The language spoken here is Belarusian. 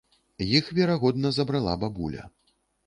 Іх верагодна забрала бабуля.